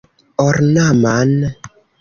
ornaman